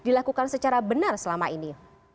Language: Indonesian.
atau sudah dilakukan secara benar selama ini